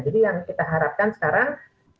jadi yang kita harapkan sekarang